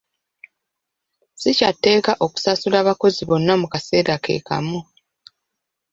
Si kyatteeka okusasula abakozi bonna mu kaseera ke kamu.